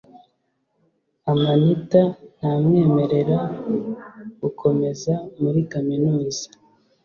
amanita ntamwemerera gukomeza muri kaminuza